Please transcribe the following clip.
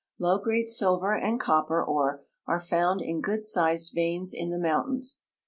Low grade silver and cop))er ore arc found in good sized A'eins in the mountains.